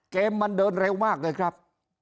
เกมมันเดินเร็วมากเลยครับ